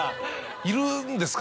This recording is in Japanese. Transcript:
いるんですか？